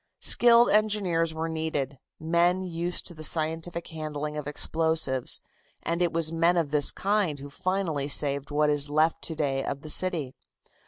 Skilled engineers were needed, men used to the scientific handling of explosives, and it was men of this kind who finally saved what is left to day of the city.